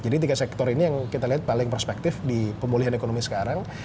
jadi tiga sektor ini yang kita lihat paling prospektif di pemulihan ekonomi sekarang